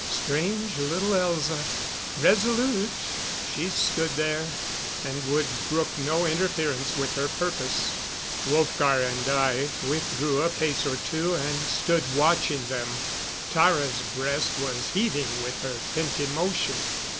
Strange little Elza! Resolute, she stood there, and would brook no interference with her purpose. Wolfgar and I withdrew a pace or two and stood watching them. Tara's breast was heaving with her pent emotion.